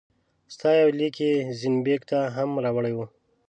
ستا یو لیک یې زین بېګم ته هم راوړی وو.